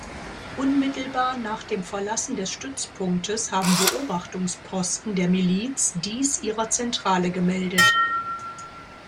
Unmittelbar nach dem Verlassen des Stützpunktes haben Beobachtungsposten der Miliz dies ihrer Zentrale gemeldet.